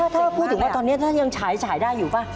ถ้าพูดถึงว่าตอนนี้ท่านยังฉายได้อยู่ป่ะ